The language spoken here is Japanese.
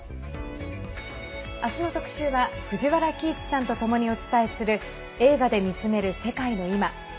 明日の特集は藤原帰一さんとともにお伝えする「映画で見つめる世界のいま」。